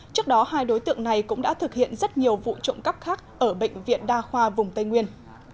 trước đó hai đối tượng này cũng đã thực hiện rất nhiều vụ trộm cắp khác ở bệnh viện đa khoa vùng tây nguyên